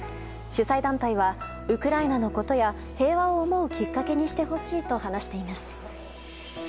主催団体はウクライナのことや平和を思うきっかけにしてほしいと話しています。